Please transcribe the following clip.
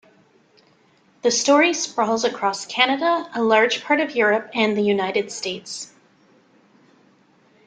The story sprawls across Canada, a large part of Europe and the United States.